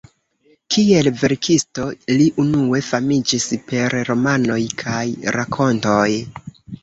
Kiel verkisto li unue famiĝis per romanoj kaj rakontoj.